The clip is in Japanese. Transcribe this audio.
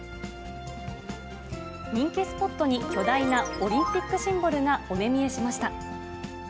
人気スポットに巨大なオリンピックシンボルがお目見えしました。